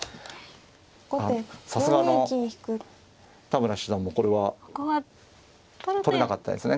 さすがあの田村七段もこれは取れなかったですね。